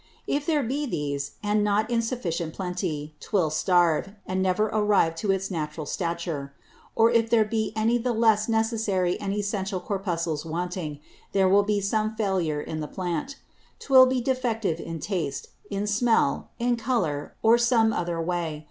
If there be these, and not in sufficient Plenty, 'twill starve, and never arrive to its natural Stature: Or if there be any the less necessary and essential Corpuscles wanting, there will be some failure in the Plant; 'twill be defective in Taste, in Smell, in Colour, or some other way.